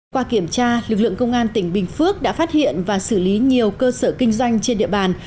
qua kiểm tra lực lượng công an tỉnh bình phước đã phát hiện và xử lý nhiều cơ sở kinh doanh trên địa bàn